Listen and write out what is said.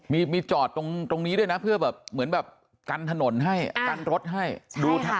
มีมีจอดตรงนี้ด้วยนะเพื่อแบบเหมือนแบบกันถนนให้กันรถให้ดูทัน